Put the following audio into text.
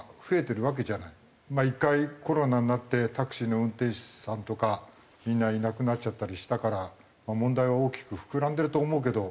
まあ１回コロナになってタクシーの運転手さんとかみんないなくなっちゃったりしたから問題は大きく膨らんでると思うけど。